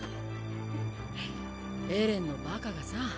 エレンのバカがさぁ。